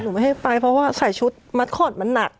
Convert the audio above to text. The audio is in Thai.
ไม่ให้ไปเพราะว่าใส่ชุดมัดคอร์ดมันหนัก